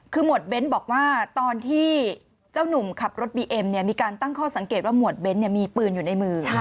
คือหมวดเบ้นบอกว่าตอนที่เจ้านุ่มขับรถบีเอ็มเนี่ยมีการตั้งข้อสังเกตว่าหมวดเบ้นมีปืนอยู่ในมือ